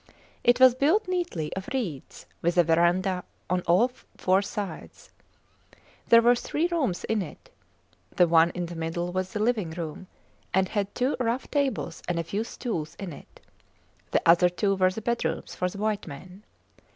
It was built neatly of reeds, with a verandah on all the four sides. There were three rooms in it. The one in the middle was the living room, and had two rough tables and a few stools in it. The other two were the bedrooms for the white men.